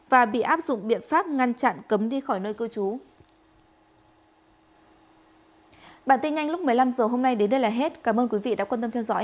và bị áp dụng biện pháp ngăn chặn cấm đi khỏi nơi cư trú